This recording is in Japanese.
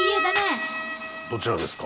どちらですか？